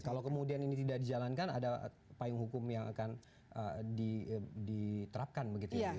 kalau kemudian ini tidak dijalankan ada payung hukum yang akan diterapkan begitu ya